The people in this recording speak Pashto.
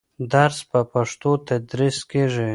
درس په پښتو تدریس کېږي.